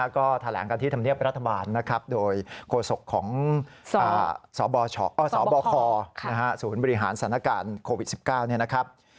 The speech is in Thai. ก็แถลงกันที่ธรรมเนียบรัฐบาลนะครับโดยโฆษกของสบคศูนย์บริหารสถานการณ์โควิด๑๙เนี่ยนะครับ